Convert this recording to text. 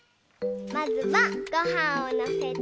まずはごはんをのせて。